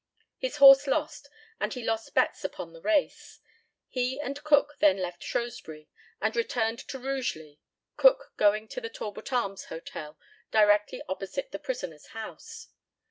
His horse lost, and he lost bets upon the race. He and Cook then left Shrewsbury, and returned to Rugeley, Cook going to the Talbot Arms Hotel, directly opposite the prisoner's house.